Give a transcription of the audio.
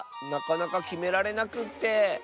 なかなかきめられなくって。